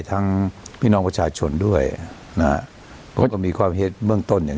ทั้งพี่น้องประชาชนด้วยนะเค้าก็มีความเห็นมืองต้นอย่าง